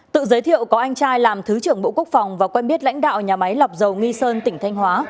tự giới thiệu có anh trai làm thứ trưởng bộ quốc phòng và quen biết lãnh đạo nhà máy lọc dầu nghi sơn tỉnh thanh hóa